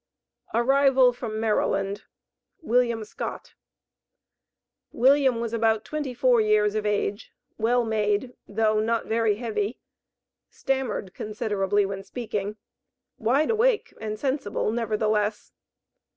ARRIVAL FROM MARYLAND. William Scott. William was about twenty four years of age, well made, though not very heavy stammered considerably when speaking wide awake and sensible nevertheless.